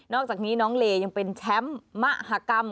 อกจากนี้น้องเลยังเป็นแชมป์มหากรรม